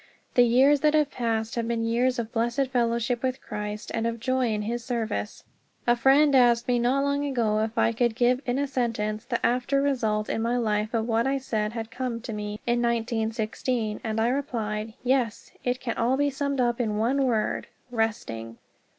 The years that have passed have been years of blessed fellowship with Christ and of joy in his service. A friend asked me not long ago if I could give in a sentence the after result in my life of what I said had come to me in 1916, and I replied, "Yes, it can be all summed up in one word, 'Resting.'"